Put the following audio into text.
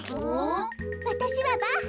わたしはバッハ。